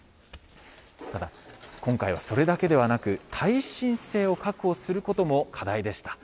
ただ、今回はそれだけではなく、耐震性を確保することも課題でした。